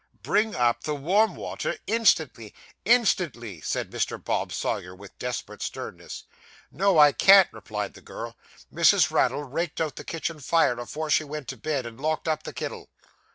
'Bring up the warm water instantly instantly!' said Mr. Bob Sawyer, with desperate sternness. 'No. I can't,' replied the girl; 'Missis Raddle raked out the kitchen fire afore she went to bed, and locked up the kittle.